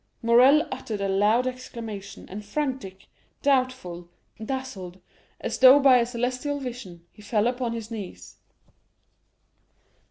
Morrel uttered a loud exclamation, and frantic, doubtful, dazzled, as though by a celestial vision, he fell upon his knees.